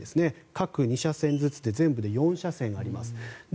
各２車線ずつで全部で４車線あります。